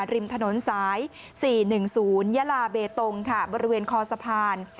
ริมถนนสาย๔๑๐ยาลาเบตงค่ะบริเวณคอสะพาน